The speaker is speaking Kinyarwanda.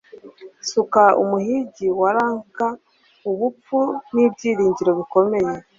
Suka umuhigi wa lank ubupfu n'ibyiringiro bikomeye.